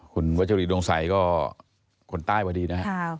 คุณวัชรีดวงใสก็คนใต้พอดีนะครับ